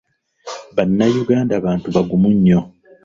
Bannayuganda bantu bagumu nnyo